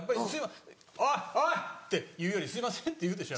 「おい！おい！」って言うより「すいません」って言うでしょ。